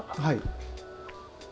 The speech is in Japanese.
はい。